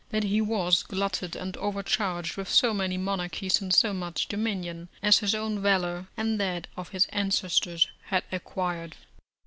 that he was glutted and overcharged with so many monarchies and so much dominion, as his own valour and that of his ancestors had acquired.